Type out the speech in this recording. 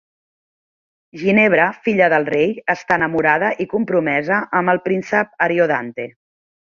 Ginevra, filla del rei, està enamorada i compromesa amb el príncep Ariodante.